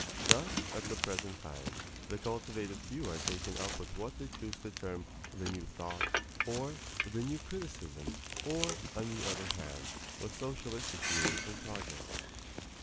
Thus, at the present time, the cultivated few are taken up with what they choose to term the "new thought," or the "new criticism," or, on the other hand, with socialistic theories and projects.